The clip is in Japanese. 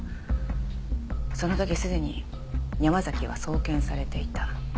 その時すでに山崎は送検されていた。